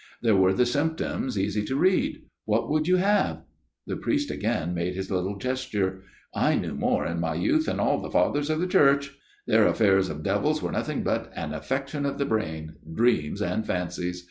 There were the symptoms, easy to read. What would you FATHER MEURON'S TALE 39 have ?" the priest again made bis little gesture " I knew more in my youth than all the Fathers of the Church. Their affairs of devils were nothing but an affection of the brain, dreams and fancies